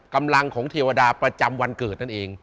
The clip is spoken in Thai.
กำลังของเทวดาประจำวันเกิดนั่นเอง